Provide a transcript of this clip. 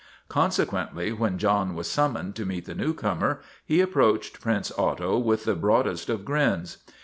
Consequently when John was summoned to meet the newcomer, he approached Prince Otto with the broadest of grins.